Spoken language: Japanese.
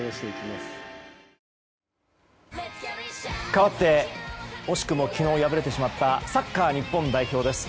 かわって惜しくも昨日敗れてしまったサッカー日本代表です。